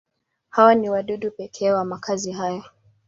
Hawa ni wadudu pekee wa makazi haya.